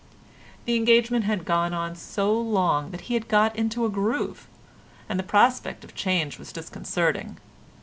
The engagement had gone on so long that he had got into a groove, and the prospect of change was disconcerting.